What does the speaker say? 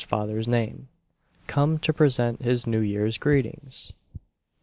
father's namc^ Come to present His New Year's greetmgs!